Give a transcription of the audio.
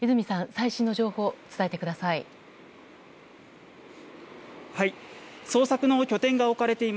最新の情報を伝えてください。